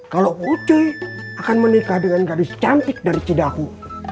kalau puci akan menikah dengan gadis cantik dari cedahku